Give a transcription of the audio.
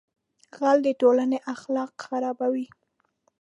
غل د ټولنې اخلاق خرابوي